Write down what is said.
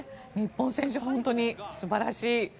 日本選手、本当に素晴らしい。